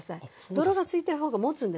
泥がついてる方がもつんです。